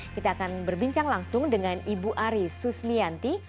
kita akan berbincang langsung dengan ibu ari susmianti